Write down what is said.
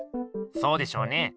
そうでしょうね。